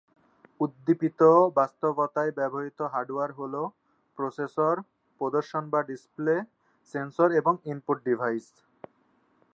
উদ্দীপিত বাস্তবতায় ব্যবহৃত হার্ডওয়্যার হল: প্রসেসর, প্রদর্শন /ডিসপ্লে, সেন্সর এবং ইনপুট ডিভাইস।